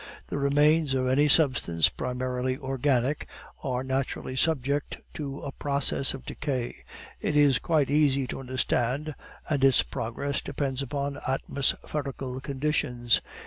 The remains of any substance primarily organic are naturally subject to a process of decay. It is quite easy to understand, and its progress depends upon atmospherical conditions.